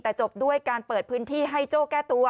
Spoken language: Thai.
แต่จบด้วยการเปิดพื้นที่ให้โจ้แก้ตัว